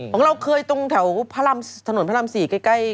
หรือเราเคยตรงแถวถนนพระรำศรีใกล้